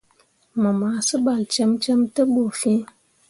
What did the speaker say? Mu ma sebal cemme te bu fin.